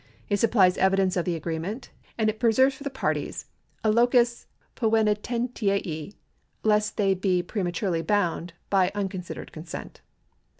It supplies evidence of the agreement, and it preserves for the parties a locus jpoeyiitentiae, lest they be prematurely bound by unconsidered consent.